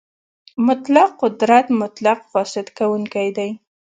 مطلق قدرت مطلق فاسد کوونکی دی.